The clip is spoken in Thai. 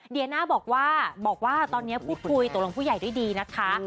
เดียน่าบอกว่าบอกว่าตอนนี้พูดคุยตกลงผู้ใหญ่ด้วยดีนะคะ